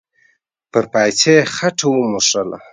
پر پايڅه يې خټه و موښله.